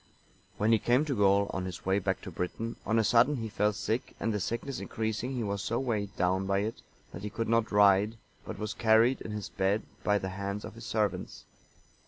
When he came to Gaul, on his way back to Britain, on a sudden he fell sick, and the sickness increasing, he was so weighed down by it, that he could not ride, but was carried in his bed by the hands of his servants.